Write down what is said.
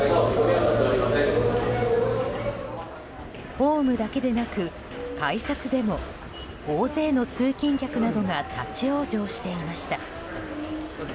ホームだけでなく、改札でも大勢の通勤客などが立ち往生していました。